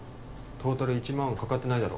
トータル１万かかってないだろ？